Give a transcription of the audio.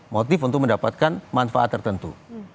motif untuk mendapatkan manfaat tertentu